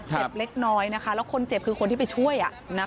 เล็กน้อยนะคะแล้วคนเจ็บคือคนที่ไปช่วย